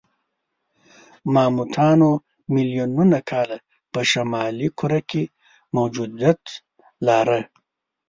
ماموتانو میلیونونه کاله په شمالي کره کې موجودیت لاره.